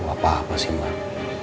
apa apa sih mbak